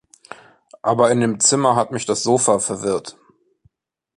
Aber in dem Zimmer hat mich das Sofa verwirrt.